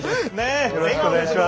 よろしくお願いします。